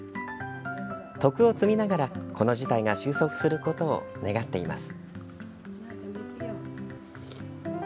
徳を積みながらこの事態が収束することを願っています。